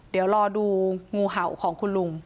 เดี๋ยวรอดูงูเห่าของคุณลุง